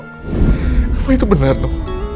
papa itu benar no